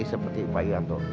ini seperti payanto